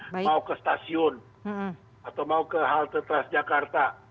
mau ke stasiun atau mau ke halte transjakarta